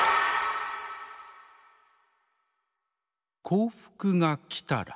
「『幸福』がきたら」。